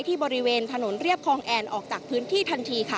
บริเวณถนนเรียบคลองแอนออกจากพื้นที่ทันทีค่ะ